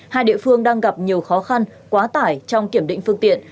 hai địa phương đang gặp nhiều khó khăn quá tải trong kiểm định phương tiện